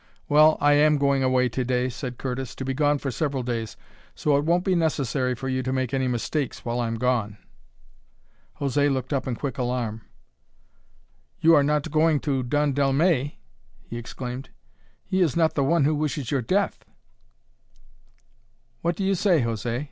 "Well, I am going away to day," said Curtis, "to be gone for several days. So it won't be necessary for you to make any mistakes while I'm gone." José looked up in quick alarm. "You are not going to Don Dellmey?" he exclaimed. "He is not the one who wishes your death!" "What do you say, José?"